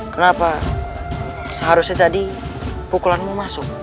kenapa seharusnya tadi pukulanmu masuk